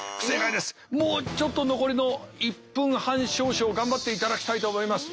もうちょっと残りの１分半少々頑張っていただきたいと思います。